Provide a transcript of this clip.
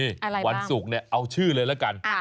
ก็มีวันศุกร์เอาชื่อเลยละกัน